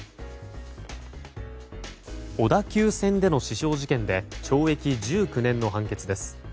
小田急線での刺傷事件で懲役１９年の判決です。